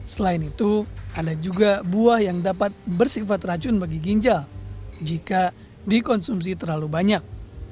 selain itu ada juga buah yang dapat bersifat racun bagi ginjal jika dikonsumsi terlalu banyak